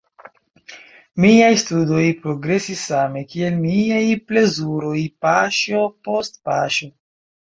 Miaj studoj progresis same, kiel miaj plezuroj, paŝo post paŝo.